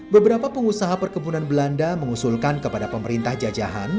beberapa pengusaha perkebunan belanda mengusulkan kepada pemerintah jajahan